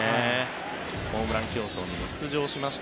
ホームラン競争にも出場しました